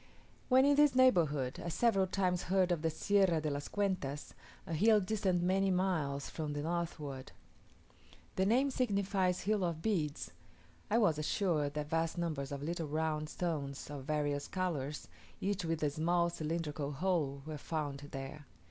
When in this neighbourhood, I several times heard of the Sierra de las Cuentas: a hill distant many miles to the northward. The name signifies hill of beads. I was assured that vast numbers of little round stones, of various colours, each with a small cylindrical hole, are found there.